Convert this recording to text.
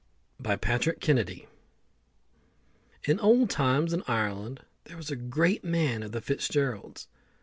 BY PATRICK KENNEDY. In old times in Ireland there was a great man of the Fitzgeralds.